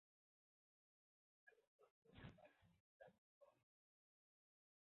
Algunos de los embalses del Saale sonː